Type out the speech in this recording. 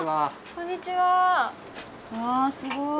こんにちは。